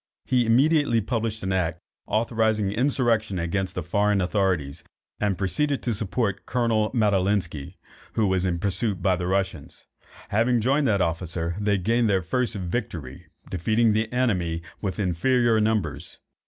He immediately published an act, authorizing insurrection against the foreign authorities, and proceeded to support Colonel Madalinski, who was pursued by the Russians. Having joined that officer, they gained their first victory, defeating the enemy with inferior numbers.